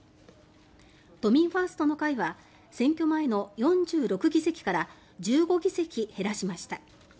都民ファーストの会は選挙前の４６議席から１５議席減らしました。